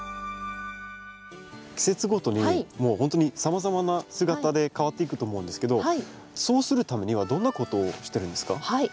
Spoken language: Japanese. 季節ごとにもうほんとにさまざまな姿で変わっていくと思うんですけどそうするためにはどんなことをしてるんですか？